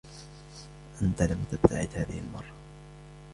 أنتَ لن تبتعد هذه المرة.